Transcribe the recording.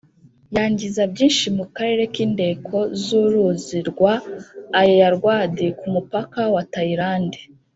yangiza byinshi mu karere k indeko z uruzi rwa Ayeyarwady ku mupaka wa Tayilandi